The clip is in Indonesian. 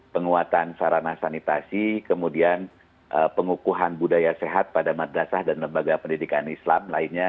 penguatan sarana sanitasi kemudian pengukuhan budaya sehat pada madrasah dan lembaga pendidikan islam lainnya